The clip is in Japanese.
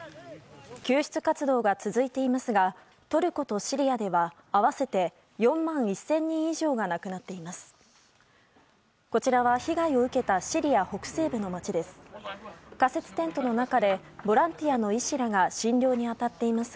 救出活動が続いていますがトルコとシリアでは合わせて４万１０００人以上が亡くなっています。